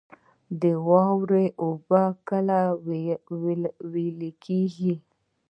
د واورې اوبه کله ویلی کیږي؟